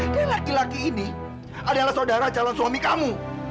dan laki laki ini adalah saudara calon suami kamu